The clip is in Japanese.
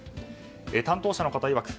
担当者の方いわく